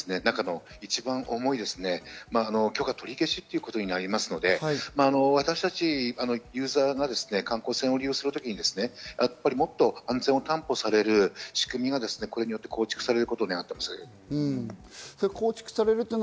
４段階ある行政処分のうち、一番重い、許可取り消しということになりますので、私たちユーザーが観光船を利用するとき、もっと安全を担保される仕組みがこれによって構築されることを願っています。